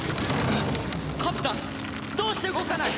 カブタンどうして動かない？